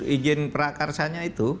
ijin prakarsanya itu